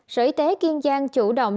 sở y tế kiên gian chủ động